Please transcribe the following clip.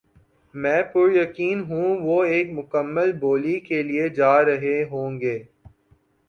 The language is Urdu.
میں پُریقین ہوں وہ ایک مکمل بولی کے لیے جا رہے ہوں گے